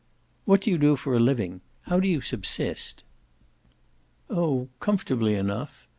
"What do you do for a living? How do you subsist?" "Oh comfortably enough.